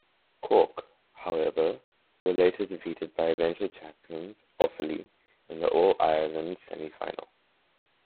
Cork, however, were later defeated by eventual champions Offaly in the All-Ireland semi-final.